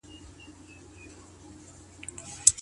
خاوند ته د بلي ميرمني بيول ولي جواز نلري؟